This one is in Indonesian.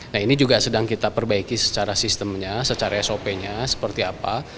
nah ini juga sedang kita perbaiki secara sistemnya secara sop nya seperti apa